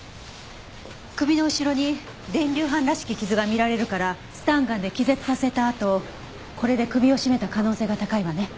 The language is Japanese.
首の後ろに電流斑らしき傷が見られるからスタンガンで気絶させたあとこれで首を絞めた可能性が高いわね。